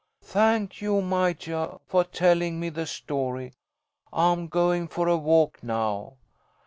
Thank you, Majah, for tellin' me the story. I'm goin' for a walk now.